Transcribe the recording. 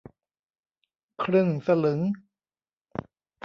ครึ่งสลึง